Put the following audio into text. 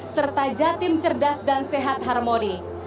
serta jatim cerdas dan sehat harmoni